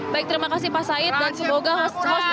baik terima kasih pak said dan semoga khusus jatuh tahun baru